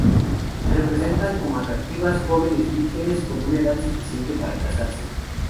Se representaban como atractivas jóvenes vírgenes con una edad suficiente para casarse.